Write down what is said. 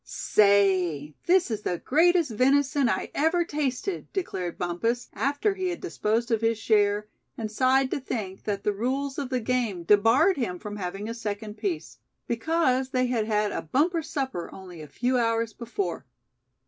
"Say, this is the greatest venison I ever tasted!" declared Bumpus, after he had disposed of his share, and sighed to think that the rules of the game debarred him from having a second piece; because they had had a bumper supper only a few hours before.